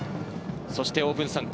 そしてオープン参加